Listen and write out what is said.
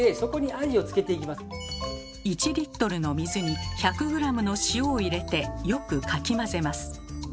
１リットルの水に１００グラムの塩を入れてよくかき混ぜます。